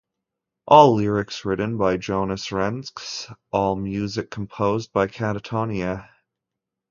All lyrics written by Jonas Renkse, all music composed by Katatonia.